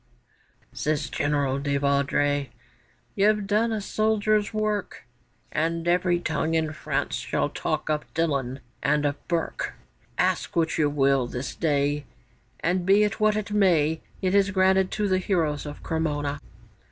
Says General de Vaudray, 'You've done a soldier's work! And every tongue in France shall talk of Dillon and of Burke! Ask what you will this day, And be it what it may, It is granted to the heroes of Cremona.